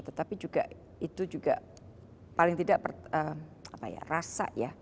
tetapi juga itu juga paling tidak rasa ya